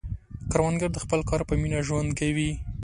کروندګر د خپل کار په مینه ژوند کوي